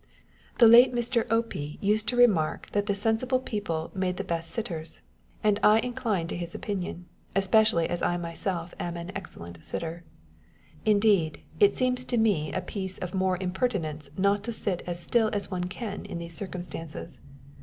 The late Mr. Opic used to remark that the most sensible people made the best sitters ; and I incline to his opinion, especially as I myself am an excellent sitter. Indeed, it seems to me a piece of mere impertinence not to sit as still as one can in these circumstances.